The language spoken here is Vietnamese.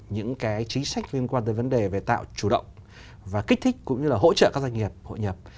những cái chính sách liên quan tới vấn đề về tạo chủ động và kích thích cũng như là hỗ trợ các doanh nghiệp hội nhập